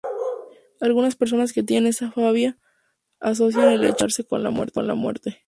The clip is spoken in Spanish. Algunas personas que tienen esta fobia asocian el hecho de acostarse con la muerte.